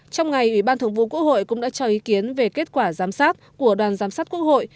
trong ngày ủy ban thường vụ quốc hội cũng đã cho ý kiến về kết quả giám sát của đoàn giám sát quốc hội